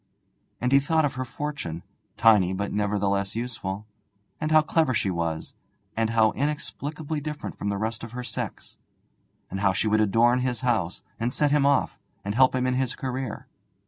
And he thought of her fortune, tiny but nevertheless useful, and how clever she was, and how inexplicably different from the rest of her sex, and how she would adorn his house, and set him off, and help him in his career.